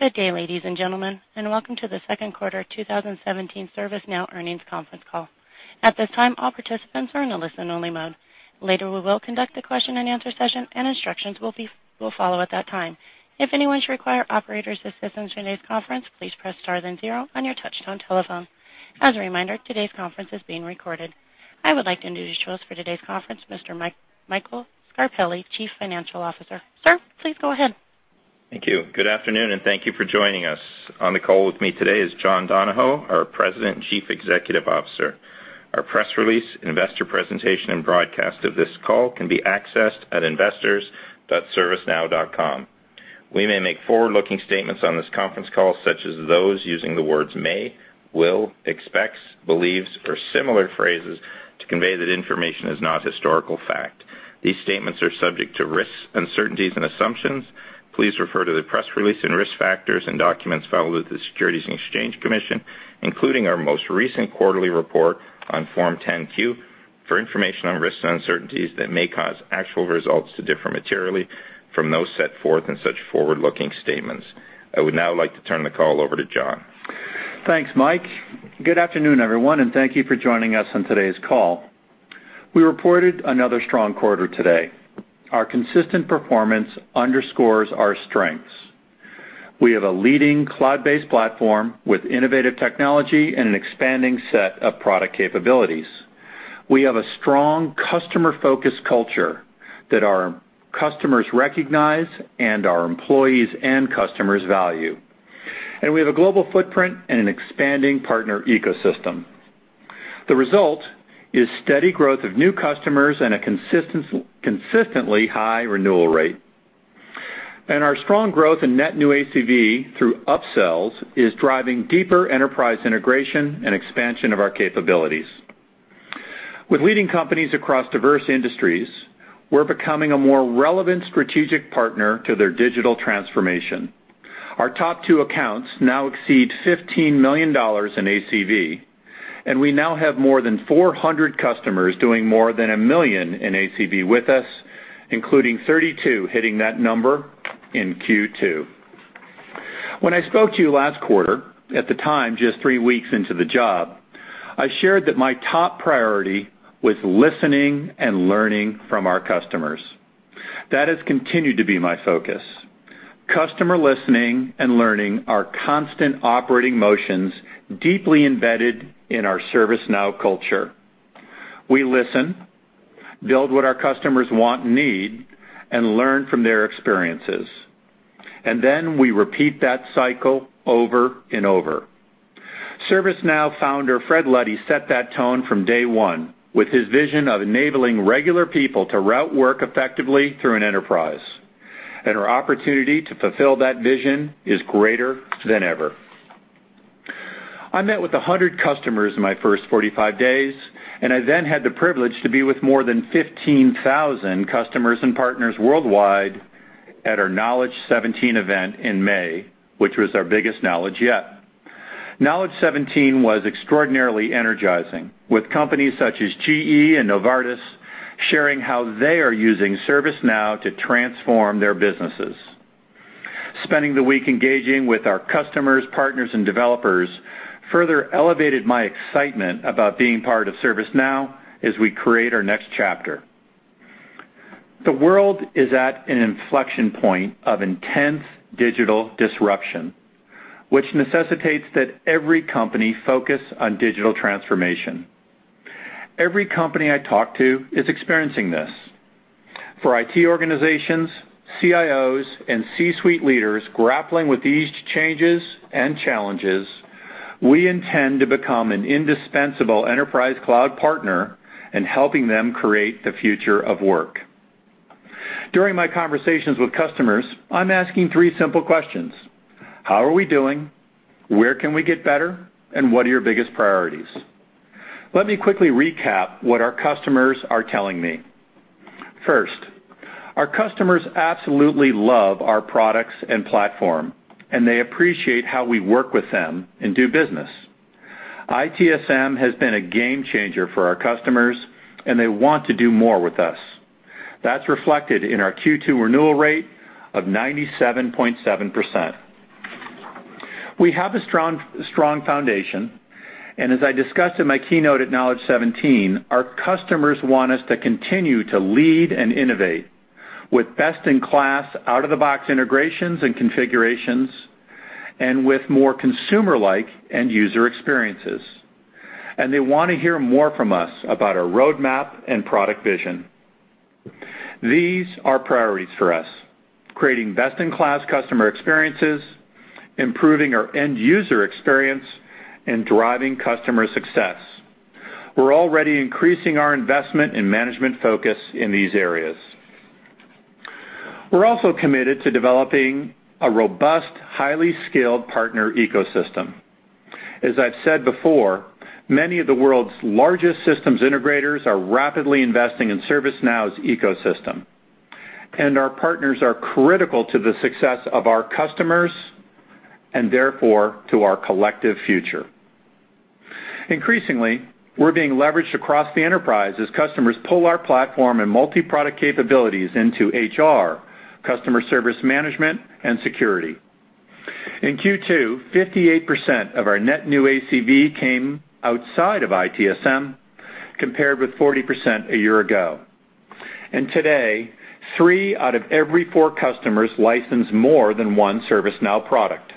Good day, ladies and gentlemen, and welcome to the second quarter 2017 ServiceNow earnings conference call. At this time, all participants are in a listen only mode. Later, we will conduct a question and answer session, and instructions will follow at that time. If anyone should require operator's assistance during today's conference, please press star then zero on your touch-tone telephone. As a reminder, today's conference is being recorded. I would like to introduce to us for today's conference, Mr. Michael Scarpelli, Chief Financial Officer. Sir, please go ahead. Thank you. Good afternoon, thank you for joining us. On the call with me today is John Donahoe, our President Chief Executive Officer. Our press release, investor presentation, broadcast of this call can be accessed at investors.servicenow.com. We may make forward-looking statements on this conference call, such as those using the words may, will, expects, believes, or similar phrases to convey that information is not historical fact. These statements are subject to risks, uncertainties, assumptions. Please refer to the press release and risk factors and documents filed with the Securities and Exchange Commission, including our most recent quarterly report on Form 10-Q, for information on risks and uncertainties that may cause actual results to differ materially from those set forth in such forward-looking statements. I would now like to turn the call over to John. Thanks, Mike. Good afternoon, everyone, thank you for joining us on today's call. We reported another strong quarter today. Our consistent performance underscores our strengths. We have a leading cloud-based platform with innovative technology and an expanding set of product capabilities. We have a strong customer-focused culture that our customers recognize and our employees and customers value. We have a global footprint and an expanding partner ecosystem. The result is steady growth of new customers and a consistently high renewal rate. Our strong growth in net new ACV through upsells is driving deeper enterprise integration and expansion of our capabilities. With leading companies across diverse industries, we're becoming a more relevant strategic partner to their digital transformation. Our top two accounts now exceed $15 million in ACV, we now have more than 400 customers doing more than $1 million in ACV with us, including 32 hitting that number in Q2. When I spoke to you last quarter, at the time just three weeks into the job, I shared that my top priority was listening and learning from our customers. That has continued to be my focus. Customer listening and learning are constant operating motions deeply embedded in our ServiceNow culture. We listen, build what our customers want and need, learn from their experiences. Then we repeat that cycle over and over. ServiceNow founder Fred Luddy set that tone from day one with his vision of enabling regular people to route work effectively through an enterprise, our opportunity to fulfill that vision is greater than ever. I met with 100 customers in my first 45 days. I then had the privilege to be with more than 15,000 customers and partners worldwide at our Knowledge17 event in May, which was our biggest Knowledge yet. Knowledge17 was extraordinarily energizing, with companies such as GE and Novartis sharing how they are using ServiceNow to transform their businesses. Spending the week engaging with our customers, partners, and developers further elevated my excitement about being part of ServiceNow as we create our next chapter. The world is at an inflection point of intense digital disruption, which necessitates that every company focus on digital transformation. Every company I talk to is experiencing this. For IT organizations, CIOs, and C-suite leaders grappling with these changes and challenges, we intend to become an indispensable enterprise cloud partner in helping them create the future of work. During my conversations with customers, I'm asking three simple questions: How are we doing? Where can we get better? What are your biggest priorities? Let me quickly recap what our customers are telling me. First, our customers absolutely love our products and platform. They appreciate how we work with them and do business. ITSM has been a game changer for our customers. They want to do more with us. That's reflected in our Q2 renewal rate of 97.7%. We have a strong foundation. As I discussed in my keynote at Knowledge17, our customers want us to continue to lead and innovate with best-in-class out-of-the-box integrations and configurations with more consumer-like end user experiences. They want to hear more from us about our roadmap and product vision. These are priorities for us, creating best-in-class customer experiences, improving our end user experience, driving customer success. We're already increasing our investment and management focus in these areas. We're also committed to developing a robust, highly skilled partner ecosystem. As I've said before, many of the world's largest systems integrators are rapidly investing in ServiceNow's ecosystem. Our partners are critical to the success of our customers and therefore to our collective future. Increasingly, we're being leveraged across the enterprise as customers pull our platform and multi-product capabilities into HR, Customer Service Management, and Security. In Q2, 58% of our net new ACV came outside of ITSM, compared with 40% a year ago. Today, three out of every four customers license more than one ServiceNow product.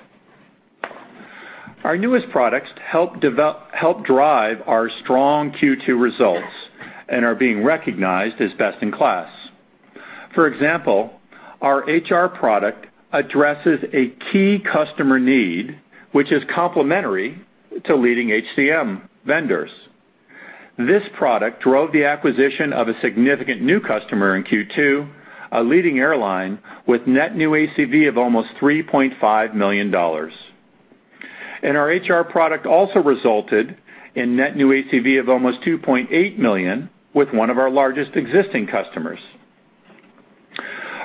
Our newest products help drive our strong Q2 results and are being recognized as best in class. For example, our HR product addresses a key customer need, which is complementary to leading HCM vendors. This product drove the acquisition of a significant new customer in Q2, a leading airline with net new ACV of almost $3.5 million. Our HR product also resulted in net new ACV of almost $2.8 million with one of our largest existing customers.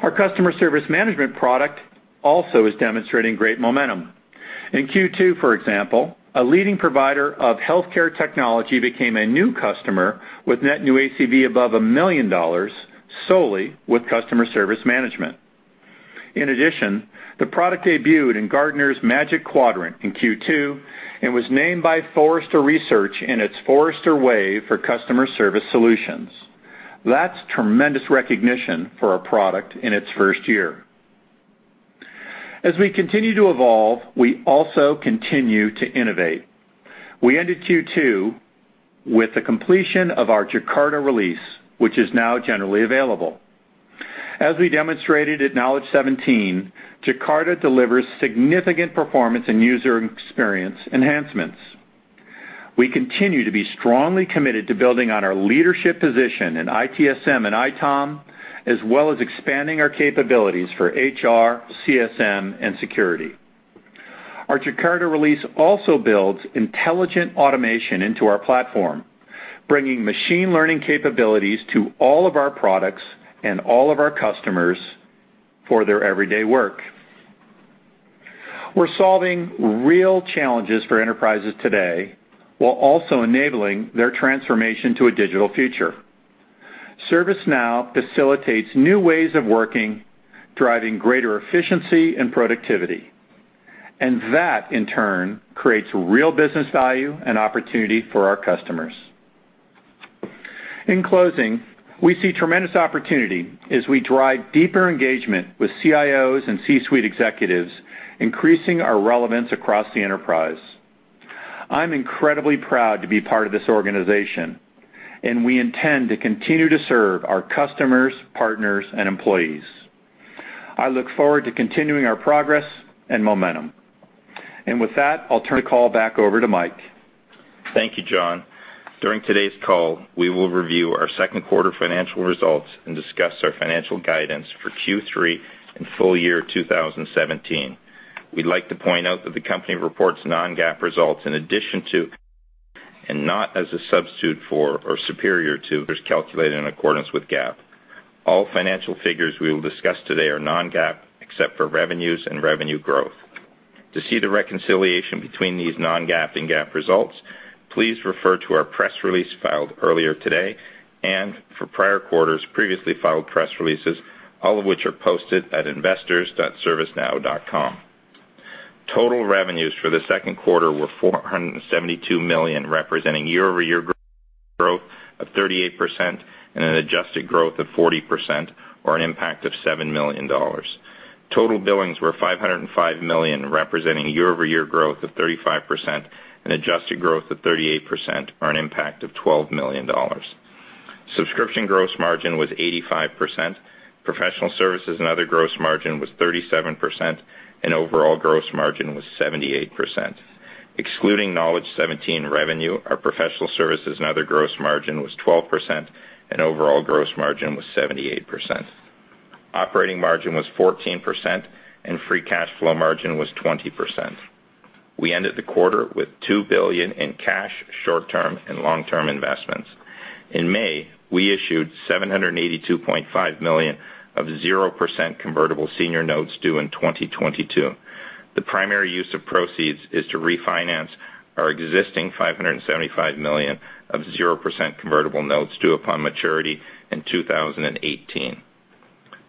Our Customer Service Management product also is demonstrating great momentum. In Q2, for example, a leading provider of healthcare technology became a new customer with net new ACV above $1 million solely with Customer Service Management. In addition, the product debuted in Gartner's Magic Quadrant in Q2 and was named by Forrester Research in its Forrester Wave for customer service solutions. That's tremendous recognition for a product in its first year. As we continue to evolve, we also continue to innovate. We ended Q2 with the completion of our Jakarta release, which is now generally available. As we demonstrated at Knowledge17, Jakarta delivers significant performance and user experience enhancements. We continue to be strongly committed to building on our leadership position in ITSM and ITOM, as well as expanding our capabilities for HR, CSM, and security. Our Jakarta release also builds intelligent automation into our platform, bringing machine learning capabilities to all of our products and all of our customers for their everyday work. We're solving real challenges for enterprises today while also enabling their transformation to a digital future. ServiceNow facilitates new ways of working, driving greater efficiency and productivity. That, in turn, creates real business value and opportunity for our customers. In closing, we see tremendous opportunity as we drive deeper engagement with CIOs and C-suite executives, increasing our relevance across the enterprise. I'm incredibly proud to be part of this organization, and we intend to continue to serve our customers, partners, and employees. I look forward to continuing our progress and momentum. With that, I'll turn the call back over to Mike. Thank you, John. During today's call, we will review our second quarter financial results and discuss our financial guidance for Q3 and full year 2017. We'd like to point out that the company reports non-GAAP results in addition to, and not as a substitute for or superior to, measures calculated in accordance with GAAP. All financial figures we will discuss today are non-GAAP, except for revenues and revenue growth. To see the reconciliation between these non-GAAP and GAAP results, please refer to our press release filed earlier today and for prior quarters previously filed press releases, all of which are posted at investors.servicenow.com. Total revenues for the second quarter were $472 million, representing year-over-year growth of 38% and an adjusted growth of 40%, or an impact of $7 million. Total billings were $505 million, representing year-over-year growth of 35% and adjusted growth of 38%, or an impact of $12 million. Subscription gross margin was 85%, professional services and other gross margin was 37%, and overall gross margin was 78%. Excluding Knowledge17 revenue, our professional services and other gross margin was 12%, and overall gross margin was 78%. Operating margin was 14%, and free cash flow margin was 20%. We ended the quarter with $2 billion in cash, short-term, and long-term investments. In May, we issued $782.5 million of 0% convertible senior notes due in 2022. The primary use of proceeds is to refinance our existing $575 million of 0% convertible notes due upon maturity in 2018.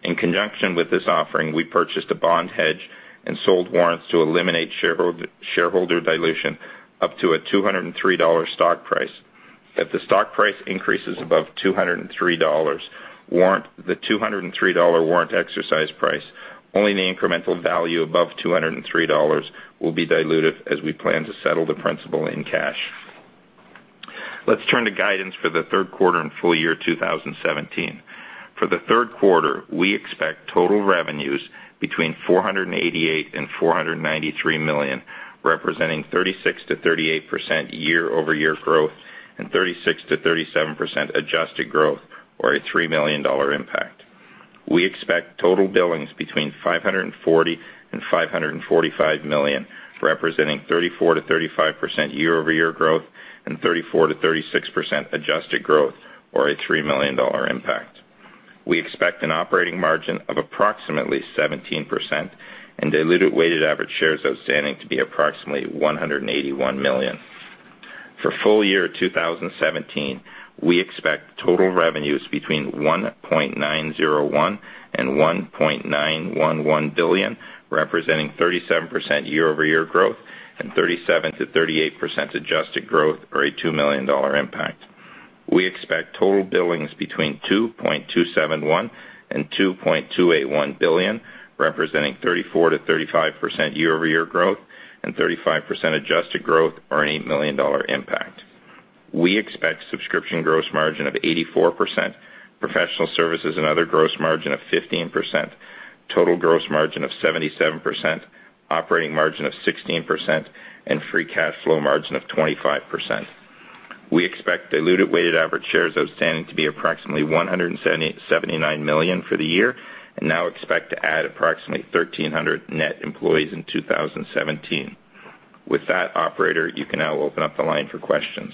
In conjunction with this offering, we purchased a bond hedge and sold warrants to eliminate shareholder dilution up to a $203 stock price. If the stock price increases above $203 warrant, the $203 warrant exercise price, only the incremental value above $203 will be diluted as we plan to settle the principal in cash. Let's turn to guidance for the third quarter and full year 2017. For the third quarter, we expect total revenues between $488 million and $493 million, representing 36%-38% year-over-year growth and 36%-37% adjusted growth, or a $3 million impact. We expect total billings between $540 million and $545 million, representing 34%-35% year-over-year growth and 34%-36% adjusted growth, or a $3 million impact. We expect an operating margin of approximately 17% and diluted weighted average shares outstanding to be approximately 181 million. For full year 2017, we expect total revenues between $1.901 billion and $1.911 billion, representing 37% year-over-year growth and 37%-38% adjusted growth or a $2 million impact. We expect total billings between $2.271 billion and $2.281 billion, representing 34%-35% year-over-year growth and 35% adjusted growth or an $8 million impact. We expect subscription gross margin of 84%, professional services and other gross margin of 15%, total gross margin of 77%, operating margin of 16%, and free cash flow margin of 25%. We expect diluted weighted average shares outstanding to be approximately 179 million for the year and now expect to add approximately 1,300 net employees in 2017. With that, operator, you can now open up the line for questions.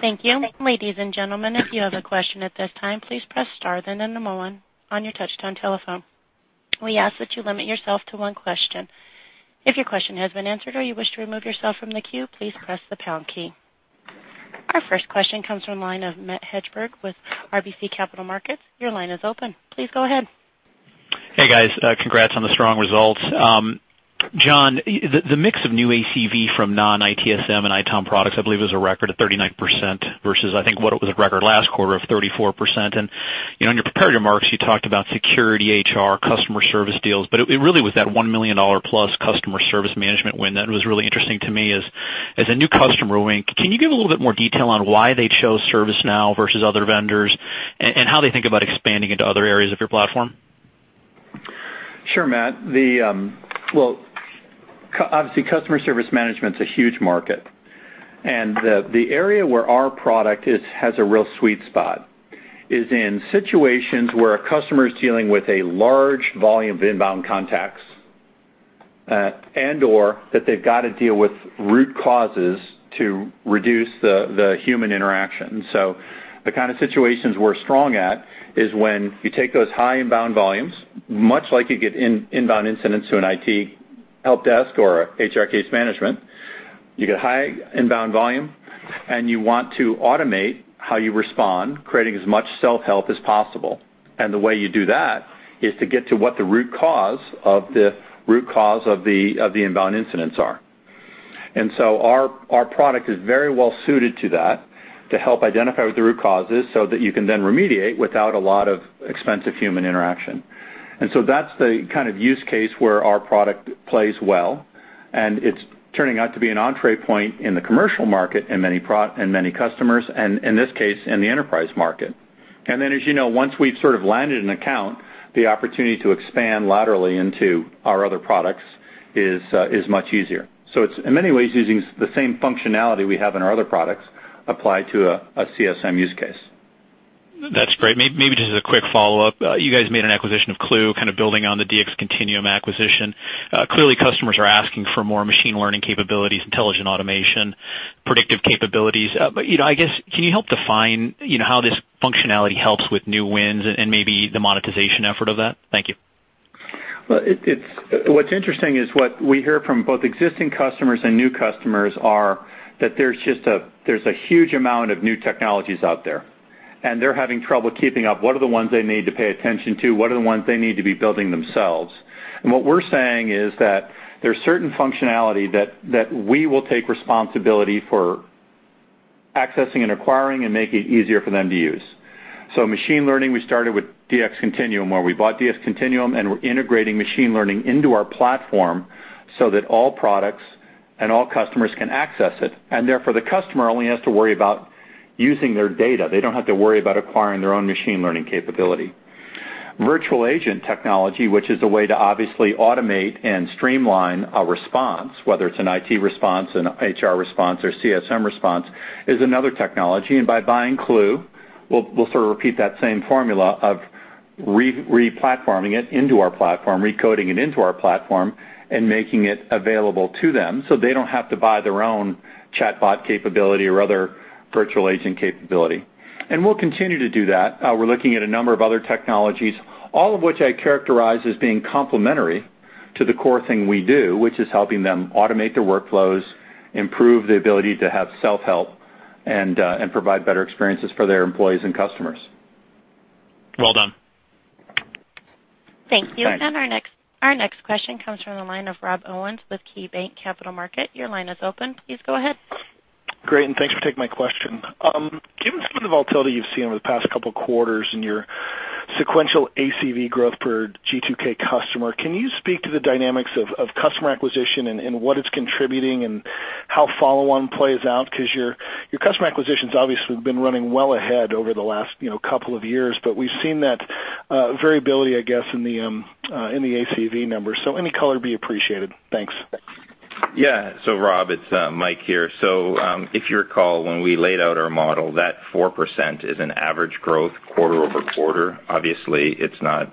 Thank you. Ladies and gentlemen, if you have a question at this time, please press star then the number 1 on your touch-tone telephone. We ask that you limit yourself to one question. If your question has been answered or you wish to remove yourself from the queue, please press the pound key. Our first question comes from the line of Matt Hedberg with RBC Capital Markets. Your line is open. Please go ahead. Hey, guys. Congrats on the strong results. John, the mix of new ACV from non-ITSM and ITOM products, I believe, was a record at 39% versus, I think, what it was a record last quarter of 34%. In your prepared remarks, you talked about security, HR, customer service deals, but it really was that $1 million-plus Customer Service Management win that was really interesting to me as a new customer win. Can you give a little bit more detail on why they chose ServiceNow versus other vendors and how they think about expanding into other areas of your platform? Sure, Matt. Obviously, Customer Service Management is a huge market. The area where our product has a real sweet spot is in situations where a customer is dealing with a large volume of inbound contacts and/or that they've got to deal with root causes to reduce the human interaction. The kind of situations we're strong at is when you take those high inbound volumes, much like you get inbound incidents to an IT help desk or HR case management, you get high inbound volume, and you want to automate how you respond, creating as much self-help as possible. The way you do that is to get to what the root cause of the inbound incidents are. Our product is very well suited to that, to help identify what the root cause is so that you can then remediate without a lot of expensive human interaction. That's the kind of use case where our product plays well, and it's turning out to be an entry point in the commercial market in many customers and, in this case, in the enterprise market. As you know, once we've sort of landed an account, the opportunity to expand laterally into our other products is much easier. It's in many ways using the same functionality we have in our other products applied to a CSM use case. That's great. Maybe just as a quick follow-up. You guys made an acquisition of Qlue, kind of building on the DxContinuum acquisition. Clearly, customers are asking for more machine learning capabilities, intelligent automation, predictive capabilities. I guess, can you help define how this functionality helps with new wins and maybe the monetization effort of that? Thank you. What's interesting is what we hear from both existing customers and new customers are that there's a huge amount of new technologies out there, and they're having trouble keeping up. What are the ones they need to pay attention to? What are the ones they need to be building themselves? What we're saying is that there's certain functionality that we will take responsibility for accessing and acquiring and make it easier for them to use. Machine learning, we started with DxContinuum, where we bought DxContinuum, and we're integrating machine learning into our platform so that all products and all customers can access it. Therefore, the customer only has to worry about using their data. They don't have to worry about acquiring their own machine learning capability. Virtual agent technology, which is a way to obviously automate and streamline a response, whether it's an IT response, an HR response, or CSM response, is another technology. By buying Qlue, we'll sort of repeat that same formula of re-platforming it into our platform, recoding it into our platform, and making it available to them so they don't have to buy their own chatbot capability or other virtual agent capability. We'll continue to do that. We're looking at a number of other technologies, all of which I characterize as being complementary to the core thing we do, which is helping them automate their workflows, improve the ability to have self-help, and provide better experiences for their employees and customers. Well done. Thank you. Thanks. Our next question comes from the line of Rob Owens with KeyBanc Capital Markets. Your line is open. Please go ahead. Great. Thanks for taking my question. Given some of the volatility you've seen over the past couple of quarters in your sequential ACV growth per G2K customer, can you speak to the dynamics of customer acquisition and what it's contributing and how follow-on plays out? Your customer acquisitions obviously have been running well ahead over the last couple of years, but we've seen that variability, I guess, in the ACV numbers. Any color would be appreciated. Thanks. Yeah, Rob, it's Mike here. If you recall, when we laid out our model, that 4% is an average growth quarter-over-quarter. Obviously,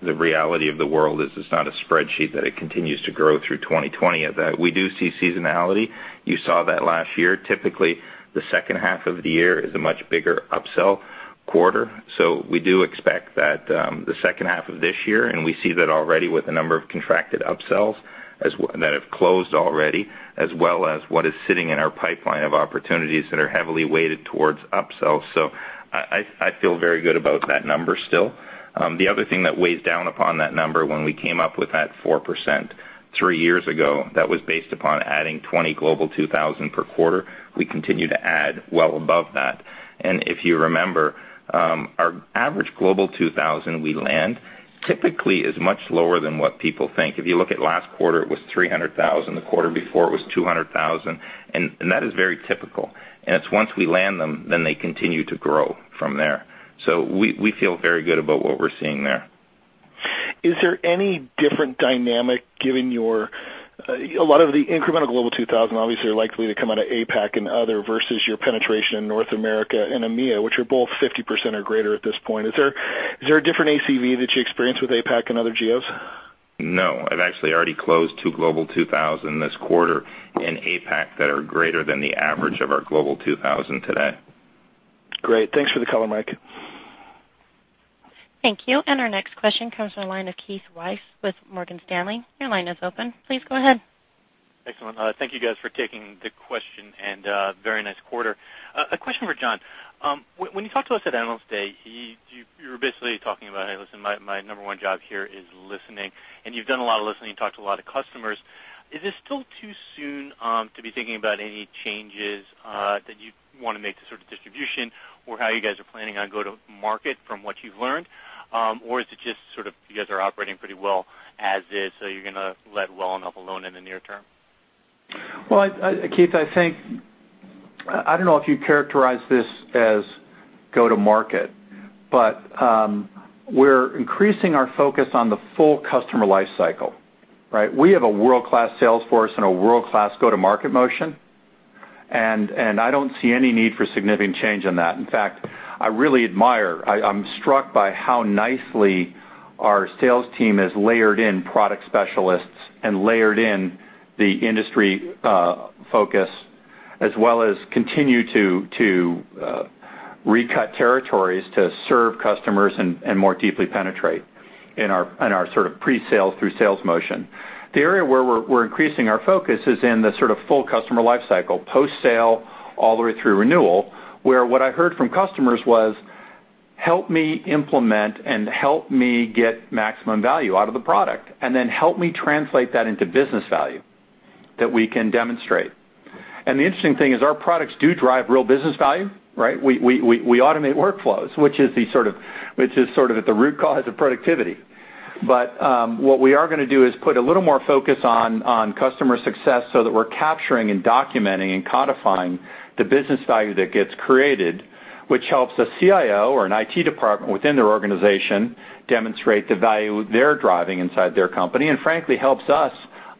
the reality of the world is it's not a spreadsheet that it continues to grow through 2020. We do see seasonality. You saw that last year. Typically, the second half of the year is a much bigger upsell quarter. We do expect that the second half of this year, and we see that already with a number of contracted upsells that have closed already, as well as what is sitting in our pipeline of opportunities that are heavily weighted towards upsells. I feel very good about that number still. The other thing that weighs down upon that number, when we came up with that 4% 3 years ago, that was based upon adding 20 Global 2000 per quarter. We continue to add well above that. If you remember, our average Global 2000 we land typically is much lower than what people think. If you look at last quarter, it was $300,000. The quarter before, it was $200,000, and that is very typical. It's once we land them, then they continue to grow from there. We feel very good about what we're seeing there. Is there any different dynamic given a lot of the incremental Global 2000 obviously are likely to come out of APAC and other versus your penetration in North America and EMEA, which are both 50% or greater at this point? Is there a different ACV that you experience with APAC and other geos? No. I've actually already closed two Global 2000 this quarter in APAC that are greater than the average of our Global 2000 today. Great. Thanks for the color, Mike. Thank you. Our next question comes from the line of Keith Weiss with Morgan Stanley. Your line is open. Please go ahead. Excellent. Thank you guys for taking the question, and very nice quarter. A question for John. When you talked to us at Analyst Day, you were basically talking about, "Hey, listen, my number 1 job here is listening." You've done a lot of listening, you talked to a lot of customers. Is it still too soon to be thinking about any changes that you'd want to make to sort of distribution or how you guys are planning on go-to-market from what you've learned? Is it just sort of you guys are operating pretty well as is, so you're going to let well enough alone in the near term? Well, Keith, I think, I don't know if you'd characterize this as go-to-market, but we're increasing our focus on the full customer life cycle, right? We have a world-class sales force and a world-class go-to-market motion. I don't see any need for significant change in that. In fact, I really admire, I'm struck by how nicely our sales team has layered in product specialists and layered in the industry focus as well as continue to recut territories to serve customers and more deeply penetrate in our sort of pre-sales through sales motion. The area where we're increasing our focus is in the sort of full customer life cycle, post-sale all the way through renewal, where what I heard from customers was, "Help me implement and help me get maximum value out of the product, and then help me translate that into business value that we can demonstrate." The interesting thing is our products do drive real business value, right? We automate workflows, which is sort of at the root cause of productivity. What we are going to do is put a little more focus on customer success so that we're capturing and documenting and codifying the business value that gets created, which helps a CIO or an IT department within their organization demonstrate the value they're driving inside their company, and frankly, helps us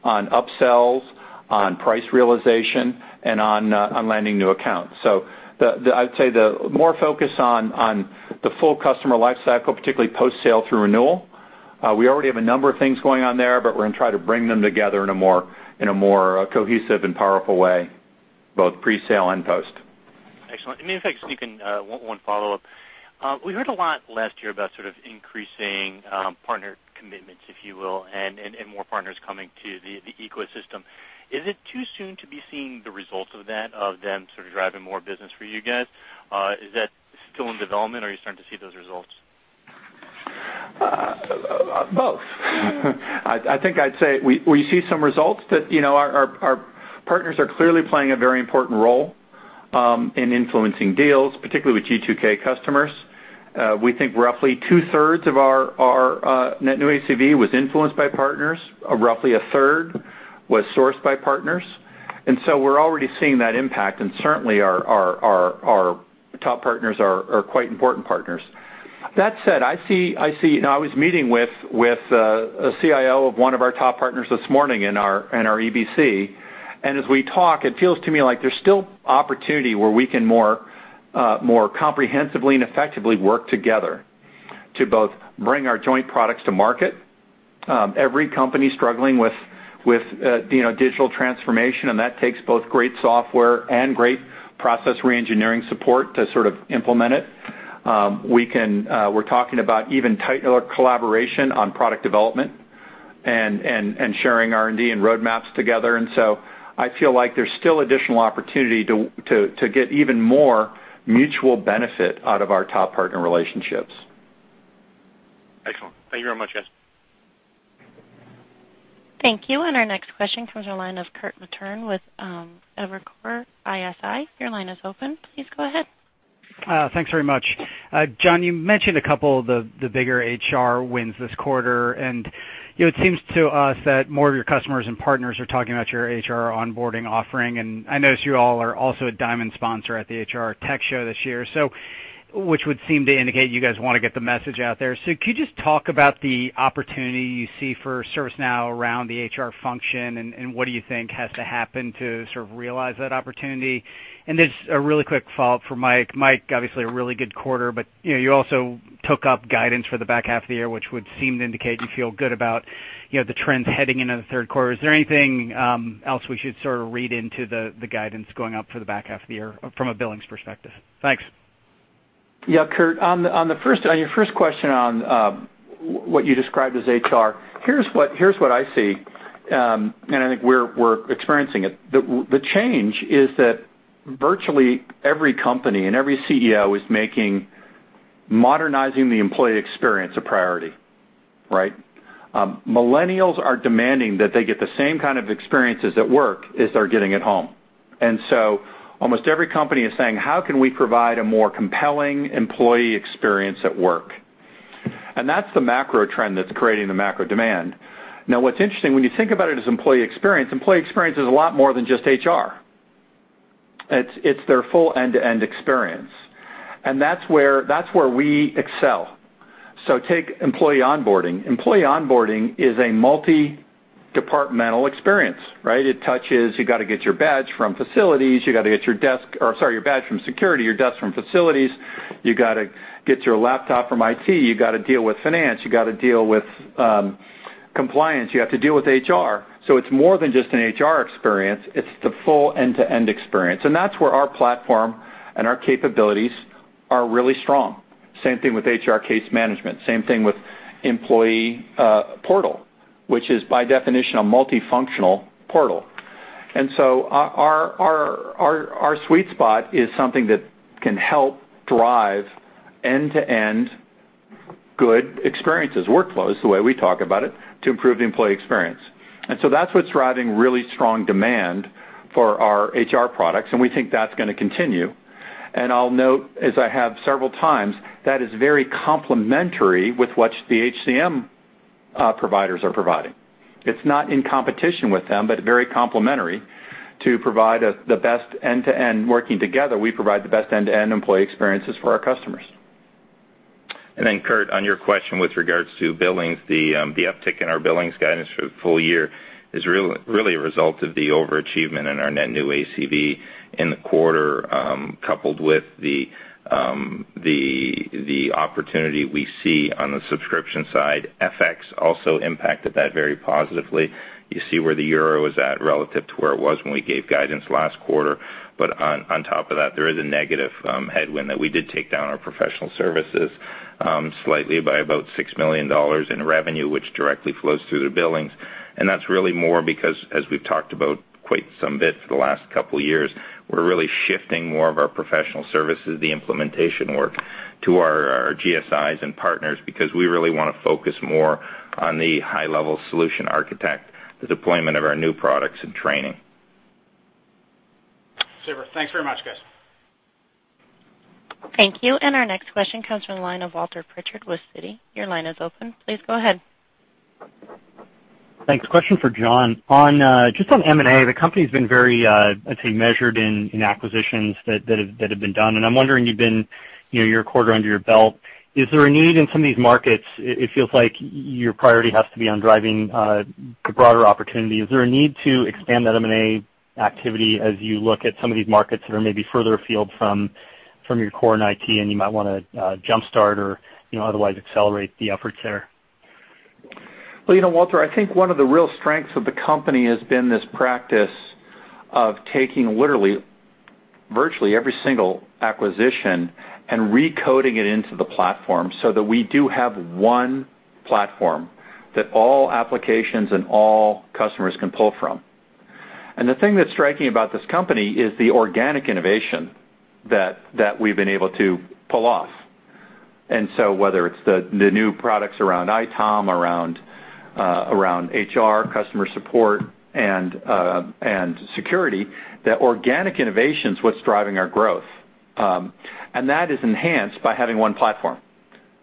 on upsells, on price realization, and on landing new accounts. I'd say the more focus on the full customer life cycle, particularly post-sale through renewal. We already have a number of things going on there, but we're going to try to bring them together in a more cohesive and powerful way, both pre-sale and post. Excellent. If I can sneak in one follow-up. We heard a lot last year about sort of increasing partner commitments, if you will, and more partners coming to the ecosystem. Is it too soon to be seeing the results of that, of them sort of driving more business for you guys? Is that still in development or are you starting to see those results? Both. I think I'd say we see some results that our partners are clearly playing a very important role in influencing deals, particularly with G2K customers. We think roughly two-thirds of our net new ACV was influenced by partners. Roughly a third was sourced by partners. We're already seeing that impact and certainly our top partners are quite important partners. That said, I was meeting with a CIO of one of our top partners this morning in our EBC, and as we talk, it feels to me like there's still opportunity where we can more comprehensively and effectively work together to both bring our joint products to market. Every company's struggling with digital transformation, and that takes both great software and great process re-engineering support to sort of implement it. We're talking about even tighter collaboration on product development and sharing R&D and roadmaps together. I feel like there's still additional opportunity to get even more mutual benefit out of our top partner relationships. Excellent. Thank you very much, guys. Thank you. Our next question comes from the line of Kirk Materne with Evercore ISI. Your line is open. Please go ahead. Thanks very much. John, you mentioned a couple of the bigger HR wins this quarter, it seems to us that more of your customers and partners are talking about your HR onboarding offering. I notice you all are also a diamond sponsor at the HR Tech show this year, which would seem to indicate you guys want to get the message out there. Could you just talk about the opportunity you see for ServiceNow around the HR function, what do you think has to happen to sort of realize that opportunity? Just a really quick follow-up for Mike. Mike, obviously a really good quarter, but you also took up guidance for the back half of the year, which would seem to indicate you feel good about the trends heading into the third quarter. Is there anything else we should sort of read into the guidance going up for the back half of the year from a billings perspective? Thanks. Yeah, Kirk, on your first question on what you described as HR, here's what I see, I think we're experiencing it. The change is that virtually every company and every CEO is making modernizing the employee experience a priority, right? Millennials are demanding that they get the same kind of experiences at work as they're getting at home. Almost every company is saying, "How can we provide a more compelling employee experience at work?" That's the macro trend that's creating the macro demand. What's interesting, when you think about it as employee experience, employee experience is a lot more than just HR. It's their full end-to-end experience. That's where we excel. Take employee onboarding. Employee onboarding is a multi-departmental experience, right? You got to get your badge from security, your desk from facilities, you got to get your laptop from IT, you got to deal with finance, you got to deal with compliance, you have to deal with HR. It's more than just an HR experience, it's the full end-to-end experience. That's where our platform and our capabilities are really strong. Same thing with HR case management, same thing with employee portal, which is by definition a multifunctional portal. Our sweet spot is something that can help drive end-to-end good experiences, workflows, the way we talk about it, to improve the employee experience. That's what's driving really strong demand for our HR products, we think that's going to continue. I'll note, as I have several times, that is very complementary with what the HCM providers are providing. It's not in competition with them, but very complementary to provide the best end-to-end, working together, we provide the best end-to-end employee experiences for our customers. Kirk, on your question with regards to billings, the uptick in our billings guidance for the full year is really a result of the overachievement in our net new ACV in the quarter, coupled with the opportunity we see on the subscription side. FX also impacted that very positively. You see where the euro is at relative to where it was when we gave guidance last quarter. On top of that, there is a negative headwind that we did take down our professional services slightly by about $6 million in revenue, which directly flows through the billings. That's really more because, as we've talked about quite some bit for the last couple of years, we're really shifting more of our professional services, the implementation work, to our GSIs and partners, because we really want to focus more on the high-level solution architect, the deployment of our new products and training. Super. Thanks very much, guys. Thank you. Our next question comes from the line of Walter Pritchard with Citi. Your line is open. Please go ahead. Thanks. Question for John. Just on M&A, the company's been very, I'd say, measured in acquisitions that have been done. I'm wondering, you're a quarter under your belt, is there a need in some of these markets, it feels like your priority has to be on driving the broader opportunity. Is there a need to expand that M&A activity as you look at some of these markets that are maybe further afield from your core in IT, and you might want to jumpstart or otherwise accelerate the efforts there? Well, Walter, I think one of the real strengths of the company has been this practice of taking literally virtually every single acquisition and recoding it into the platform so that we do have one platform that all applications and all customers can pull from. The thing that's striking about this company is the organic innovation that we've been able to pull off. Whether it's the new products around ITOM, around HR, customer support, and security, that organic innovation is what's driving our growth. That is enhanced by having one platform.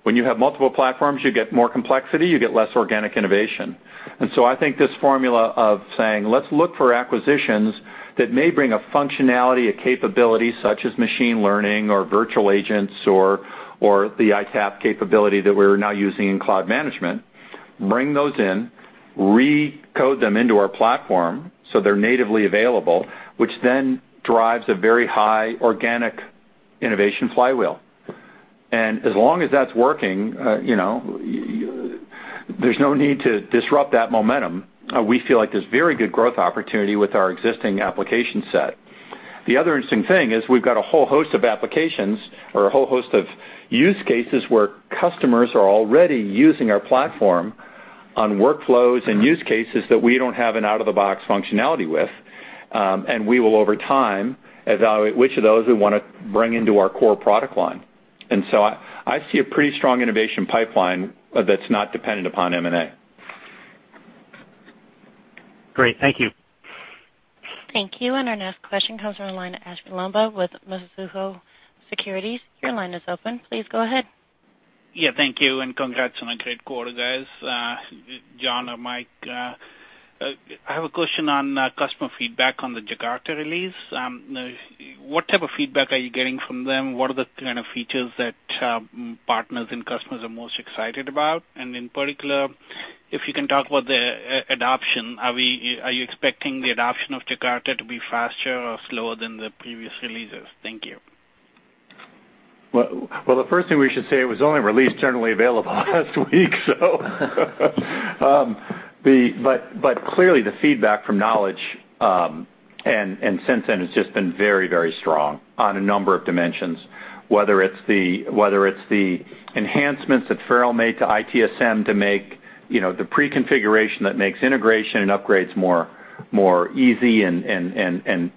When you have multiple platforms, you get more complexity, you get less organic innovation. I think this formula of saying, let's look for acquisitions that may bring a functionality, a capability, such as machine learning or virtual agents or the ITapp capability that we're now using in Cloud Management, bring those in, recode them into our platform so they're natively available, which then drives a very high organic innovation flywheel. As long as that's working, there's no need to disrupt that momentum. We feel like there's very good growth opportunity with our existing application set. The other interesting thing is we've got a whole host of applications or a whole host of use cases where customers are already using our platform on workflows and use cases that we don't have an out-of-the-box functionality with. We will, over time, evaluate which of those we want to bring into our core product line. I see a pretty strong innovation pipeline that's not dependent upon M&A. Great. Thank you. Thank you. Our next question comes from the line of Abhey Lamba with Mizuho Securities. Your line is open. Please go ahead. Yeah, thank you, and congrats on a great quarter, guys. John or Mike, I have a question on customer feedback on the Jakarta release. What type of feedback are you getting from them? What are the kind of features that partners and customers are most excited about? In particular, if you can talk about the adoption, are you expecting the adoption of Jakarta to be faster or slower than the previous releases? Thank you. Well, the first thing we should say, it was only released generally available last week. Clearly the feedback from Knowledge17 since then, it's just been very, very strong on a number of dimensions, whether it's the enhancements that Farrell made to ITSM to make the pre-configuration that makes integration and upgrades more easy and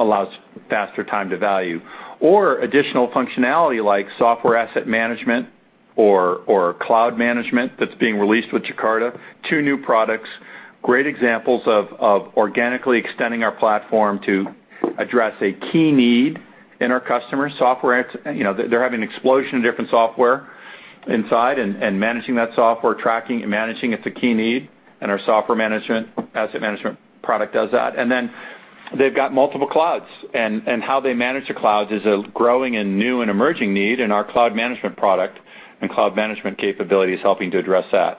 allows faster time to value, or additional functionality like Software Asset Management or Cloud Management that's being released with Jakarta. Two new products, great examples of organically extending our platform to address a key need in our customers' software. They're having an explosion of different software inside, and managing that software, tracking and managing it is a key need, and our Software Asset Management product does that. They've got multiple clouds, and how they manage the clouds is a growing and new and emerging need, and our Cloud Management product and Cloud Management capability is helping to address that.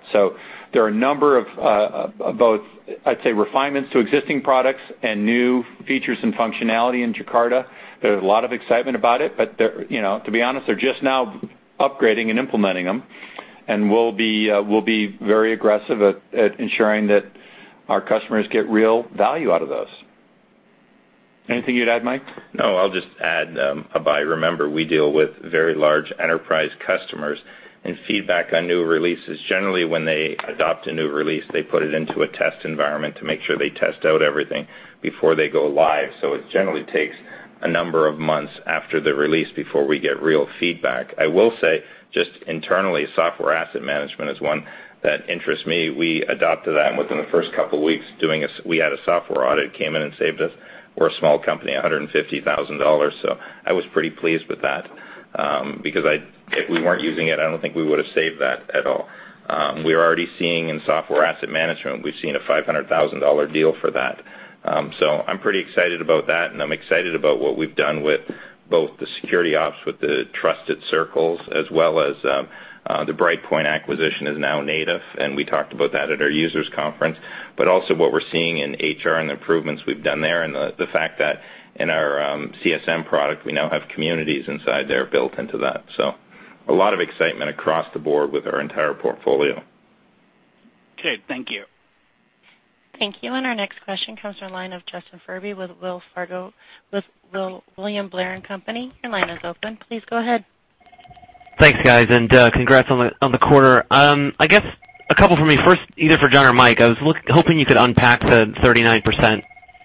There are a number of both, I'd say, refinements to existing products and new features and functionality in Jakarta. There's a lot of excitement about it, but to be honest, they're just now upgrading and implementing them. We'll be very aggressive at ensuring that our customers get real value out of those. Anything you'd add, Mike? No, I'll just add, Abhey. Remember, we deal with very large enterprise customers, and feedback on new releases, generally when they adopt a new release, they put it into a test environment to make sure they test out everything before they go live. It generally takes a number of months after the release before we get real feedback. I will say, just internally, Software Asset Management is one that interests me. We adopted that, and within the first couple of weeks, we had a software audit, came in and saved us, we're a small company, $150,000. I was pretty pleased with that. Because if we weren't using it, I don't think we would've saved that at all. We're already seeing in Software Asset Management, we've seen a $500,000 deal for that. I'm pretty excited about that, and I'm excited about what we've done with both the Security Ops with the Trusted Circles as well as the BrightPoint Security acquisition is now native, and we talked about that at our users' conference. Also what we're seeing in HR and the improvements we've done there, and the fact that in our CSM product, we now have communities inside there built into that. A lot of excitement across the board with our entire portfolio. Okay. Thank you. Thank you. Our next question comes from the line of Justin Key with William Blair & Company. Your line is open. Please go ahead. Thanks, guys, congrats on the quarter. A couple from me. First, either for John or Mike, I was hoping you could unpack the 39%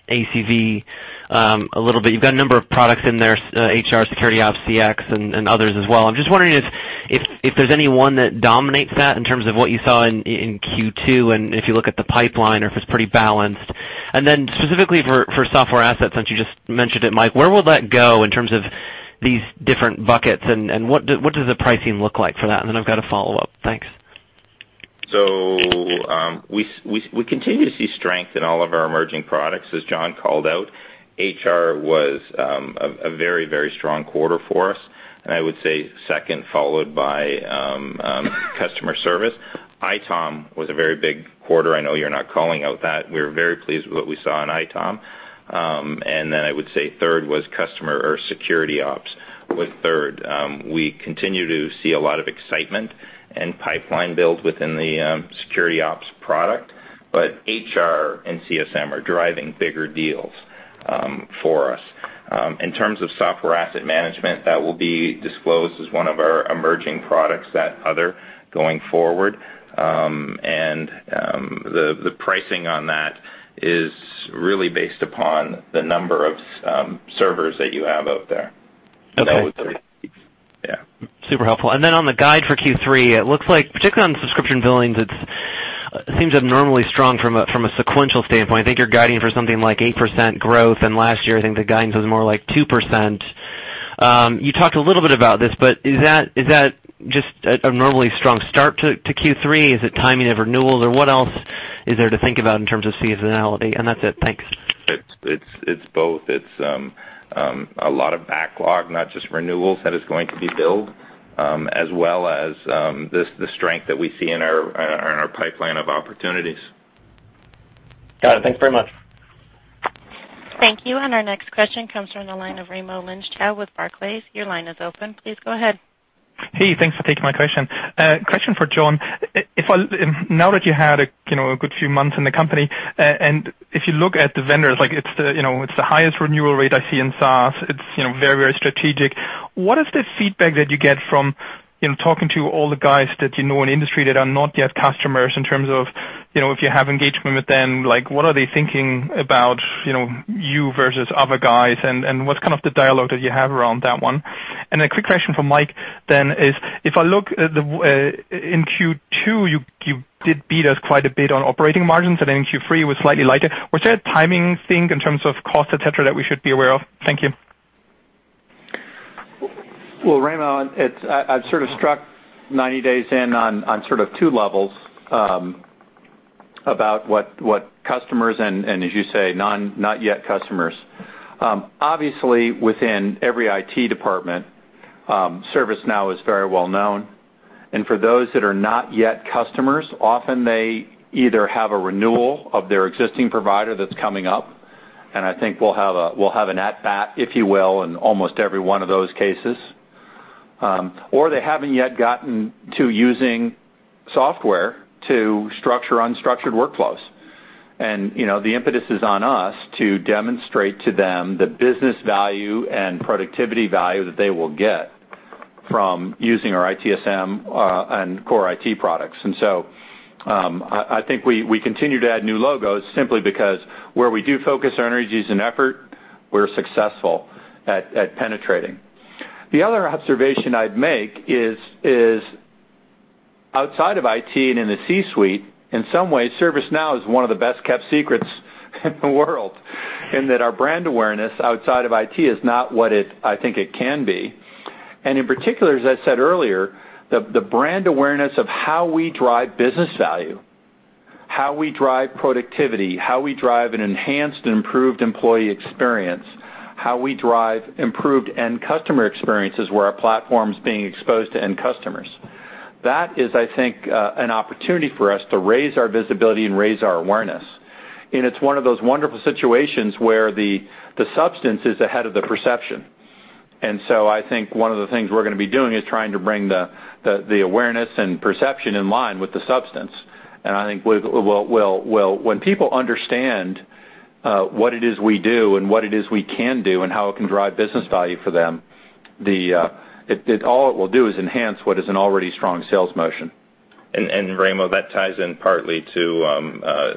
ACV a little bit. You've got a number of products in there, HR, Security Operations, CX, and others as well. I'm just wondering if there's any one that dominates that in terms of what you saw in Q2, if you look at the pipeline or if it's pretty balanced. Specifically for Software Assets, since you just mentioned it, Mike, where will that go in terms of these different buckets, and what does the pricing look like for that? I've got a follow-up. Thanks. We continue to see strength in all of our emerging products, as John called out. HR was a very strong quarter for us, and I would say second, followed by Customer Service. ITOM was a very big quarter. I know you're not calling out that. We're very pleased with what we saw in ITOM. I would say third was Security Operations was third. We continue to see a lot of excitement and pipeline build within the Security Operations product, but HR and CSM are driving bigger deals for us. In terms of Software Asset Management, that will be disclosed as one of our emerging products, that other, going forward. The pricing on that is really based upon the number of servers that you have out there. Okay. Yeah. Super helpful. Then on the guide for Q3, it looks like, particularly on subscription billings, it seems abnormally strong from a sequential standpoint. I think you're guiding for something like 8% growth. Last year, I think the guidance was more like 2%. You talked a little bit about this, but is that just an abnormally strong start to Q3? Is it timing of renewals, or what else is there to think about in terms of seasonality? That's it. Thanks. It's both. It's a lot of backlog, not just renewals, that is going to be billed, as well as the strength that we see in our pipeline of opportunities. Got it. Thanks very much. Thank you. Our next question comes from the line of Raimo Lenschow with Barclays. Your line is open. Please go ahead. Hey, thanks for taking my question. Question for John. Now that you had a good few months in the company, and if you look at the vendors, it's the highest renewal rate I see in SaaS. It's very strategic. What is the feedback that you get from talking to all the guys that you know in the industry that are not yet customers in terms of if you have engagement with them, what are they thinking about you versus other guys, and what's kind of the dialogue that you have around that one? A quick question for Mike then is, if I look in Q2, you did beat us quite a bit on operating margins, and then Q3 was slightly lighter. Was that a timing thing in terms of cost, et cetera, that we should be aware of? Thank you. Well, Raimo, I've sort of struck 90 days in on sort of two levels about what customers and, as you say, not yet customers. Obviously, within every IT department, ServiceNow is very well known. For those that are not yet customers, often they either have a renewal of their existing provider that's coming up, and I think we'll have an at-bat, if you will, in almost every one of those cases. Or they haven't yet gotten to using software to structure unstructured workflows. The impetus is on us to demonstrate to them the business value and productivity value that they will get from using our ITSM and core IT products. I think we continue to add new logos simply because where we do focus our energies and effort, we're successful at penetrating. The other observation I'd make is outside of IT and in the C-suite, in some ways, ServiceNow is one of the best-kept secrets in the world, in that our brand awareness outside of IT is not what I think it can be. In particular, as I said earlier, the brand awareness of how we drive business value, how we drive productivity, how we drive an enhanced and improved employee experience, how we drive improved end customer experiences where our platform's being exposed to end customers. That is, I think, an opportunity for us to raise our visibility and raise our awareness. It's one of those wonderful situations where the substance is ahead of the perception. I think one of the things we're going to be doing is trying to bring the awareness and perception in line with the substance. I think when people understand what it is we do and what it is we can do and how it can drive business value for them, all it will do is enhance what is an already strong sales motion. Raimo, that ties in partly to